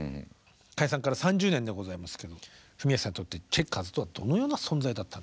解散から３０年でございますけどフミヤさんにとってチェッカーズとはどのような存在だったんでしょう？